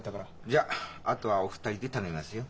じゃああとはお二人で頼みますよ。